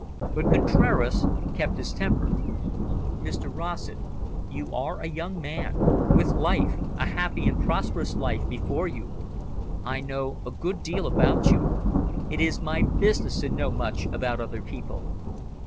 But Contraras kept his temper. "Mr Rossett, you are a young man, with life, a happy and prosperous life, before you. I know a great deal about you; it is my business to know much about other people.